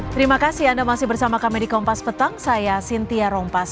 terima kasih anda masih bersama kami di kompas petang saya cynthia rompas